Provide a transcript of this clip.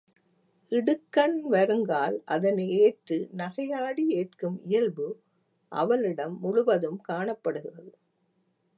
இடுக்கண் வருங்கால் அதனை ஏற்று நகையாடி ஏற்கும் இயல்பு அவளிடம் முழுவதும் காணப்படுகிறது.